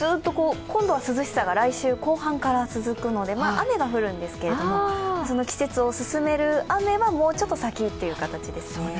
今度は涼しさが来週後半から続くので雨が降るんですけど、季節を進める雨はもうちょっと先という感じですね。